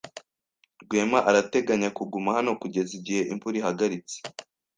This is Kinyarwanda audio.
Rwema arateganya kuguma hano kugeza igihe imvura ihagaritse.